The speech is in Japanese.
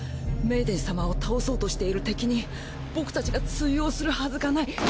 メイデン様を倒そうとしている敵に僕たちが通用するはずがない。